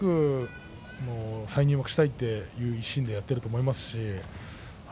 再入幕、早くしたいという一心でやっていると思います。